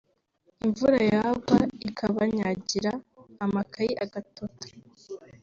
imvura yagwa ikabanyagira amakayi agatota